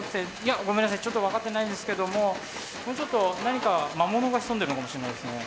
いやごめんなさいちょっと分かってないんですけどもちょっと何か魔物が潜んでるのかもしれないですね。